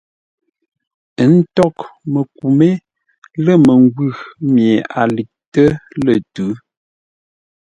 Ə́ ntôghʼ məku mé lə̂ məngwʉ̂ mi a liʼtə́ lə̂ tʉ̌.